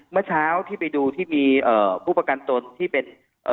เมื่อเช้าที่ไปดูที่มีเอ่อผู้ประกันตนที่เป็นเอ่อ